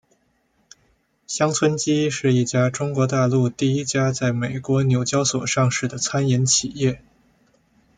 乡村基是一家中国大陆第一家在美国纽交所上市的餐饮企业。